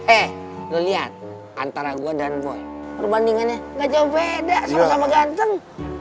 eh gue lihat antara gue dan boy perbandingannya gak jauh beda sama sama ganteng